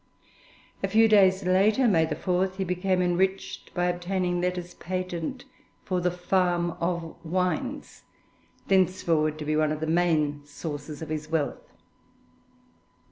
A few days later, May 4, he became enriched by obtaining letters patent for the 'Farm of Wines,' thenceforward to be one of the main sources of his wealth.